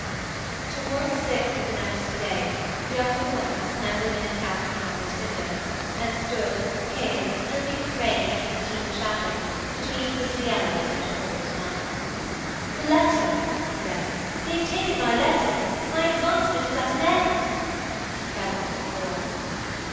Towards six of the next day young Poins clambered in at Katharine Howard's window and stood, pale, dripping with rain and his teeth chattering, between Cicely Elliott and her old knight. 'The letter,' he said. 'They have taken thy letter. My advancement is at an end!' And he fell upon the floor.